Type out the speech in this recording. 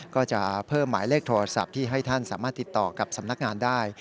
ก็จะเพิ่มหมายเลขโทรศัพท์ที่ให้ท่านสามารถติดต่อกับสำนักงานได้